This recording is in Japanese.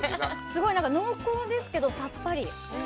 すごい濃厚ですけどさっぱり。